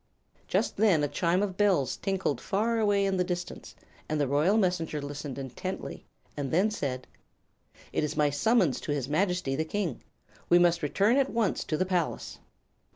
Just then a chime of bells tinkled far away in the distance, and the Royal Messenger listened intently and then said: "It is my summons to his Majesty the King. We must return at once to the palace."